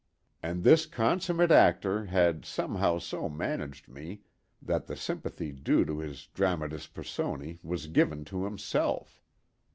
And this consummate actor had somehow so managed me that the sympathy due to his dramatis personæ was given to himself.